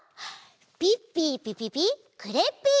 ピッピーピピピクレッピー！